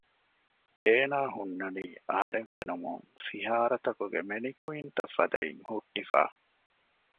އޭނަ ހުންނަނީ އަހަރެން ފެނުމުން ފިހާރަތަކުގެ މެނިކުއިންތައް ފަދައިން ހުއްޓިފަ